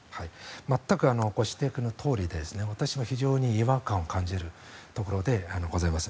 全くご指摘のとおりで私も非常に違和感を感じるところでございます。